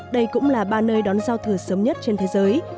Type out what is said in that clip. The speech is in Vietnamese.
đây cũng là ba nơi đón giao thừa sớm nhất trên thế giới